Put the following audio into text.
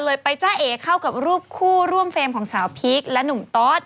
เลยไปจ้าเอเข้ากับรูปคู่ร่วมเฟรมของสาวพีคและหนุ่มตอส